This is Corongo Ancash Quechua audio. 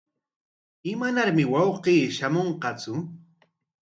¿Imanarmi wawqiyki shamunqatsu?